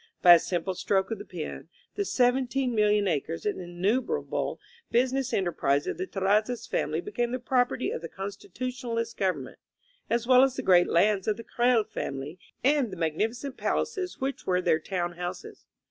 By a simple stroke of the pen the 17,000,000 acres and in numerable business enterprises of the Terrazzas family became the property of the Constitutionalist govern ment, as well as the great lands of the Creel family and the magnificent palaces which were their town houses.